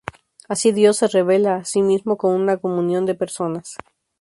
Así, Dios se revela a sí mismo como una comunión de personas.